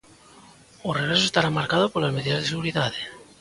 O regreso estará marcado polas medidas de seguridade.